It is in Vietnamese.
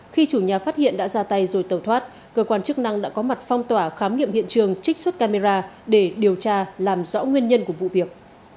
khi chủ nhà phát hiện đã ra tay rồi tẩu thoát cơ quan chức năng đã có mặt phong tỏa khám nghiệm hiện trường trích xuất camera để điều tra làm rõ nguyên nhân của vụ việc